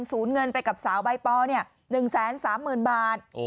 สูญเงินไปกับสาวใบปอร์เนี่ย๑๓๐๐๐๐บาท